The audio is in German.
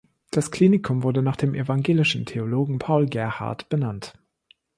Das Klinikum wurde nach dem evangelischen Theologen Paul Gerhardt benannt.